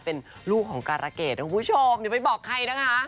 เป็นลูกของกรเกษคุณผู้ชมเดี๋ยวไปบอกใครนะคะ